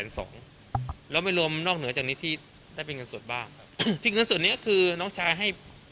น้องชายเราไปเนี้ยอ่ามีอะไรบ้างแล้วผลค่ารวมแล้วมันหายกันไหม